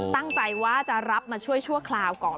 ตั้งใจว่าจะรับมาช่วยชั่วคราวก่อน